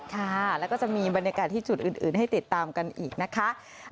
ค่ะแล้วก็จะมีบรรยากาศที่จุดอื่นให้ติดตามกันอีกนะคะ